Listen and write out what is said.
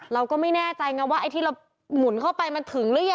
เราก็ไม่แน่ใจไงว่าไอ้ที่เราหมุนเข้าไปมันถึงหรือยัง